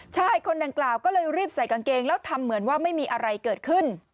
คนดังกล่าวก็เลยรีบใส่กางเกงแล้วทำเหมือนว่าไม่มีอะไรเกิดขึ้น